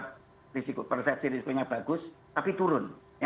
tapi ada yang semula lihat persepsi risikonya bagus tapi turun